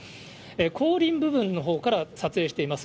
後輪部分のほうから撮影しています。